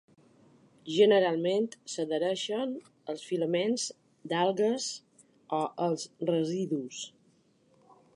Generalment s'adhereixen als filaments d'algues o als residus.